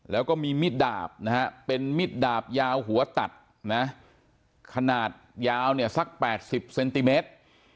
แล้วก็มีมิดดาบนะฮะเป็นมิดดาบยาวหัวตัดนะขนาดยาวเนี่ยสัก๘๐เซนติเมตร